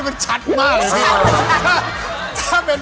อ่ะรีตาร์ก็อ่านคาดเรื่องเลย